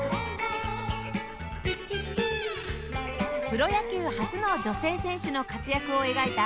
プロ野球初の女性選手の活躍を描いたアニメ